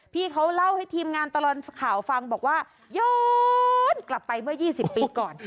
พี่เขาเล่าให้ทีมงานตลอดข่าวฟังบอกว่าย้อนกลับไปเมื่อ๒๐ปีก่อน